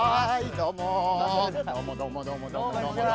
どうも。